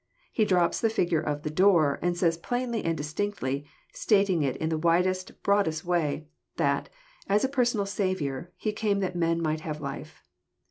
He drops the figure of <* the door," and says plainly and distinctly, stating it in the widest, broadest way, that, as a personal Saviour, He came that men might have life.